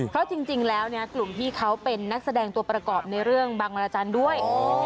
เพราะจริงแล้วกลุ่มที่เขาเป็นนักแสดงตัวประกอบในเรื่องบังราจันทร์ด้วย